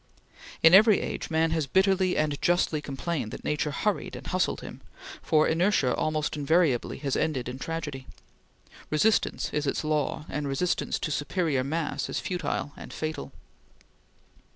In every age man has bitterly and justly complained that Nature hurried and hustled him, for inertia almost invariably has ended in tragedy. Resistance is its law, and resistance to superior mass is futile and fatal.